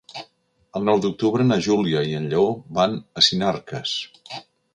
El nou d'octubre na Júlia i en Lleó van a Sinarques.